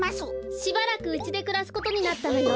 しばらくうちでくらすことになったのよ。